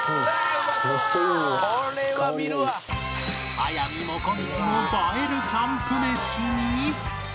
速水もこみちの映えるキャンプ飯に